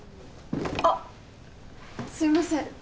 あっすいません